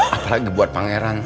apalagi buat pangeran